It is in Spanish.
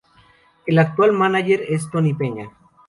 El actual mánager es Tony Peña.